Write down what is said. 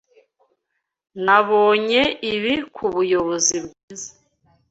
Nabonye ibi kubuyobozi bwiza.